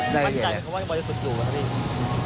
ใจเย็นเลยครับมั่นใจจะมันสุดสูงหรือเปล่า